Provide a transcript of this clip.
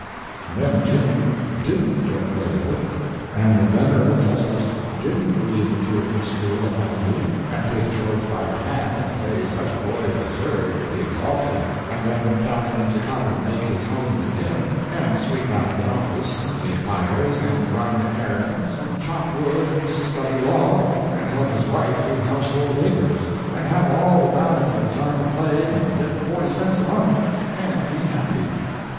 And then Jim didn't get whaled, and the venerable justice didn't read the tearful school a homily, and take George by the hand and say such a boy deserved to be exalted, and then tell him to come and make his home with him, and sweep out the office, and make fires, and run errands, and chop wood, and study law, and help his wife do household labors, and have all the balance of the time to play, and get forty cents a month, and be happy.